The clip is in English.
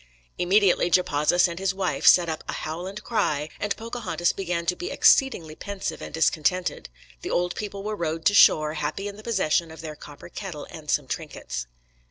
Immediately Japazaws and his wife set up "a howl and cry," and Pocahontas began to be "exceedingly pensive and discontented." The old people were rowed to shore, happy in the possession of their copper kettle and some trinkets.